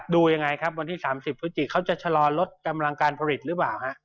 ดูยังไงครับวันที่๓๐พฤศจิเขาจะชะลอลดกำลังการผลิตหรือเปล่าฮะ